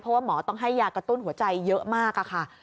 เพราะว่าหมอต้องให้ยากระตุ้นหัวใจเยอะมากค่ะ